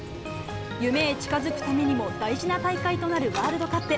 夢へ近づくためにも大事な大会となるワールドカップ。